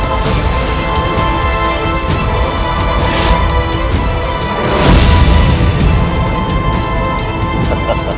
aku tidak mau